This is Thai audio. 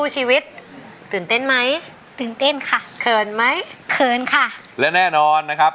ชีวิตตื่นเต้นไหมตื่นเต้นค่ะเขินไหมเขินค่ะและแน่นอนนะครับ